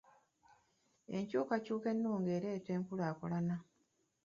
Enkyukakyuka ennungi ereeta enkulaakulana.